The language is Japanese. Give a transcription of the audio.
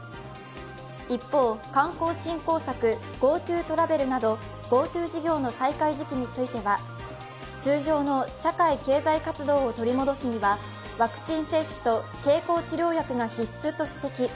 一方、観光振興策、ＧｏＴｏトラベルなどＧｏＴｏ事業の再開時期については通常の社会経済活動を取り戻すにはワクチン接種と経口治療薬が必須と指摘。